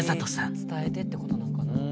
伝えてってことなんかな？